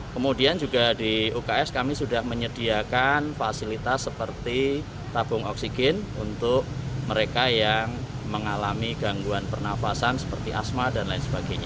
kemudian juga di uks kami sudah menyediakan fasilitas seperti tabung oksigen untuk mereka yang mengalami gangguan pernafasan seperti asma dan lain sebagainya